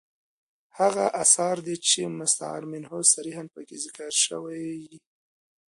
هغه استعاره ده، چي مستعار منه صریحاً پکښي ذکر ىوى يي.